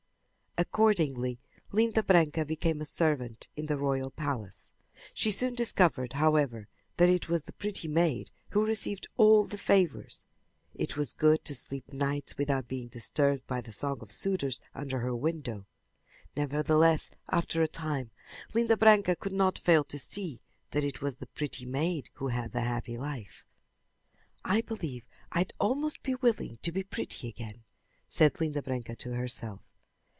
Accordingly, Linda Branca became a servant in the royal palace. She soon discovered, however, that it was the pretty maid who received all the favors. It was good to sleep nights without being disturbed by the songs of suitors under her window. Nevertheless, after a time, Linda Branca could not fail to see that it was the pretty maid who had the happy life. "I believe I'd almost be willing to be pretty again," said Linda Branca to herself.